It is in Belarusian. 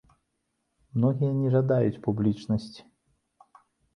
Многія не жадаюць публічнасці.